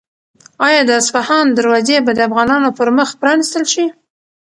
آیا د اصفهان دروازې به د افغانانو پر مخ پرانیستل شي؟